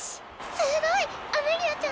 すごい！アメリアちゃん